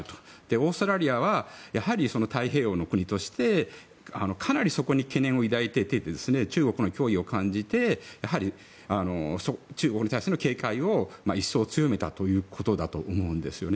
オーストラリアは太平洋の国としてかなりそこに懸念を抱いていて中国の脅威を感じて中国に対しての警戒を一層強めたということだと思うんです。